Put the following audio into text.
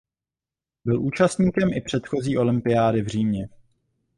Byl účastníkem i předchozí olympiády v Římě.